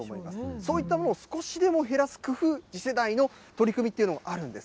そういったものを少しでも減らす工夫、次世代の取り組みっていうのもあるんです。